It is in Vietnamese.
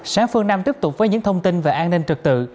sáng phương nam tiếp tục với những thông tin về an ninh trật tự